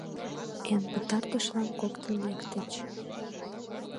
Эн пытартышлан коктын лектыч.